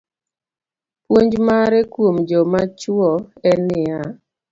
Puonj mare kuom joma chuo en niya: